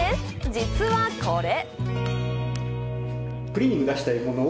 実はこれ。